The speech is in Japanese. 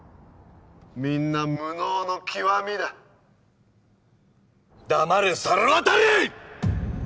みんな無能の極みだ黙れ猿渡！